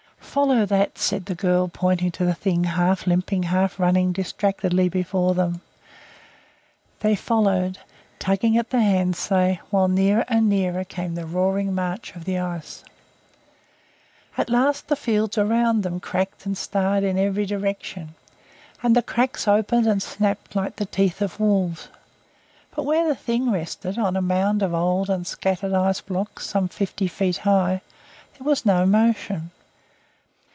"Follow THAT!" the girl cried, pointing to the Thing half limping, half running distractedly before them. They followed, tugging at the hand sleigh, while nearer and nearer came the roaring march of the ice. At last the fields round them cracked and starred in every direction, and the cracks opened and snapped like the teeth of wolves. But where the Thing rested, on a mound of old and scattered ice blocks some fifty feet high, there was no motion.